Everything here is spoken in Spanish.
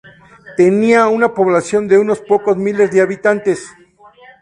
Tenía una población de unos pocos miles de habitantes.